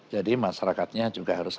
jadi masyarakatnya juga harus